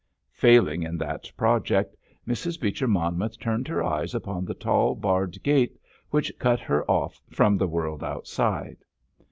Failing in that project, Mrs. Beecher Monmouth turned her eyes upon the tall barred gate which cut her off from the world outside.